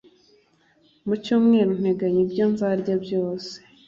mu cyumweru nteganya ibyo nzarya byose